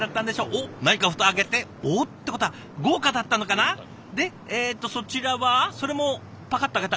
おっ何か蓋開けておっ？ってことは豪華だったのかな？でえっとそちらはそれもパカッと開けた。